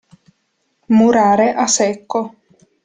Murare a secco.